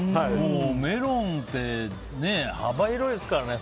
メロンって幅広いですからね。